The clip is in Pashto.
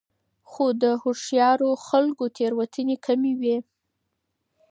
خو د هوښیارو خلکو تېروتنې کمې وي.